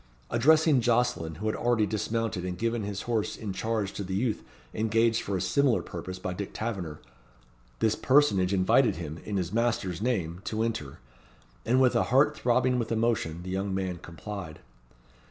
Addressing Jocelyn, who had already dismounted and given his horse in charge to the youth engaged for a similar purpose by Dick Taverner, this personage invited him, in his master's name, to enter; and, with a heart throbbing with emotion, the young man complied.